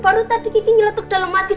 baru tadi gigi nyilatuk dalam hati